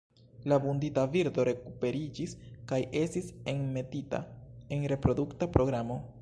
La vundita birdo rekuperiĝis kaj estis enmetita en reprodukta programo.